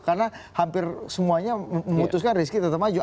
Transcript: karena hampir semuanya memutuskan rizky tetap maju